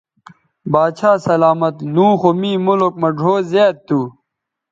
باچھا سلامت لوں خو می ملک مہ ڙھؤ زیات تھو